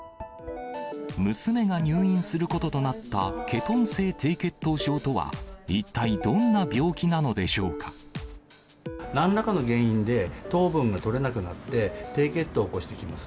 娘が入院することとなったケトン性低血糖症とは一体どんな病気ななんらかの原因で、糖分がとれなくなって、低血糖を起こしてきます。